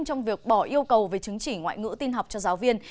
trong việc bỏ yêu cầu về chứng chỉ ngoại ngữ tin học cho giáo viên